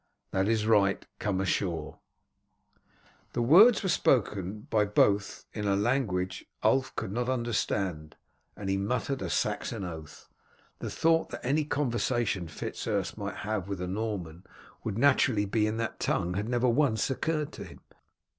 "That is right, come ashore." The words were spoken by both in a language Ulf could not understand, and he muttered a Saxon oath. The thought that any conversation Fitz Urse might have with a Norman would naturally be in that tongue had never once occurred to him.